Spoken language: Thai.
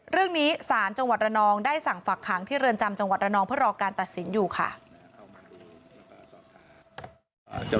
เรื่องนี้สารจังหวัดระนองได้สั่งฝักขังที่เรือนจำจังหวัดระนองเพื่อรอการตัดสินอยู่ค่ะ